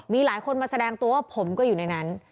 มีหลายคนมาแสดงตัวว่าผมก็อยู่ในนั้น